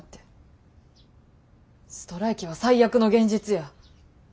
ストライキは最悪の現実や。